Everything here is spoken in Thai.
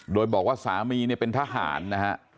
โดยบอกว่าสามีเนี่ยเป็นทหารนะฮะ